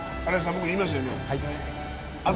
僕言いましたよね。